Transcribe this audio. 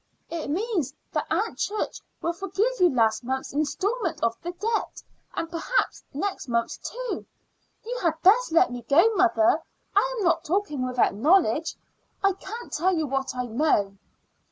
It means that Aunt Church will forgive you last month's installment of the debt, and perhaps next month's, too. You had best let me go, mother. I am not talking without knowledge, and I can't tell you what I know."